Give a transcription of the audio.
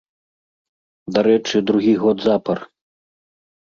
Дарэчы, другі год запар.